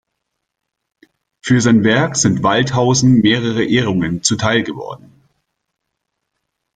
Für sein Werk sind Waldhausen mehrere Ehrungen zuteilgeworden.